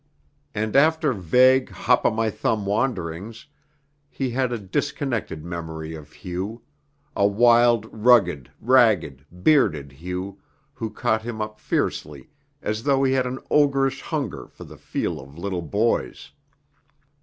And after vague hop o' my thumb wanderings, he had a disconnected memory of Hugh a wild, rugged, ragged, bearded Hugh who caught him up fiercely as though he had an ogrish hunger for the feel of little boys.